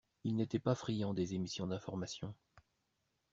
Il n’était pas friand des émissions d’information.